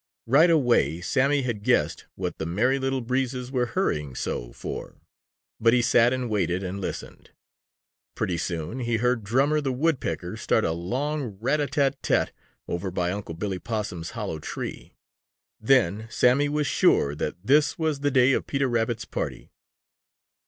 Right away Sammy had guessed what the Merry Little Breezes were hurrying so for, but he sat and waited and listened. Pretty soon he heard Drummer the Woodpecker start a long rat a tat tat over by Unc' Billy Possum's hollow tree. Then Sammy was sure that this was the day of Peter Rabbit's party.